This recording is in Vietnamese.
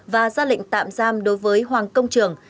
và ra lệnh tạm giam đối với hoàng công trường